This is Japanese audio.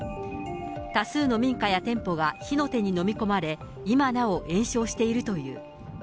多数の民家や店舗が火の手に飲み込まれ、今なお延焼しているという。